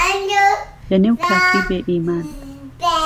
له نێو کافری بێ ئیمان